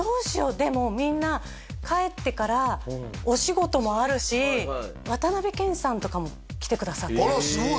でもみんな帰ってからお仕事もあるし渡辺謙さんとかも来てくださってあらすごい！